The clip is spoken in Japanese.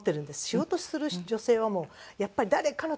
仕事する女性はもうやっぱり誰かの助けを。